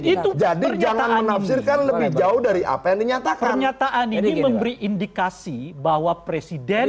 gitu jadi alte hatikan lebih jauh dari apa yang dinyatakan nyata ani numeri indikasi bahwa presiden